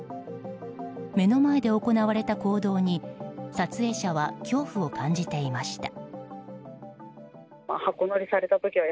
目の前で行われた行動に撮影者は恐怖を感じていました。